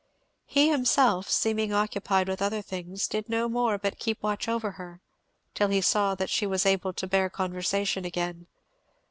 He himself, seeming occupied with other things, did no more but keep watch over her, till he saw that she was able to bear conversation again.